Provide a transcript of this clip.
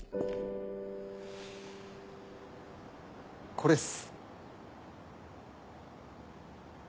これっす。